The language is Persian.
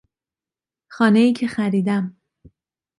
خانهای که خریدم